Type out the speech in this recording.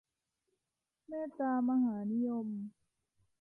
เมตตามหานิยม